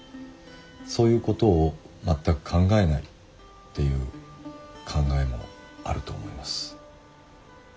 そういうことを全く考えないっていう考えもあると思います。